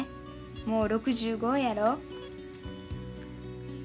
もう６５やろ。